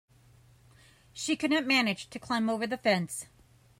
She could not manage to climb over the fence.